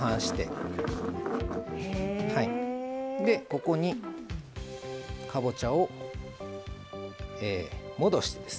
ここにかぼちゃを戻してですね。